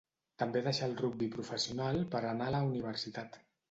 També deixà el rugbi professional per anar a la universitat.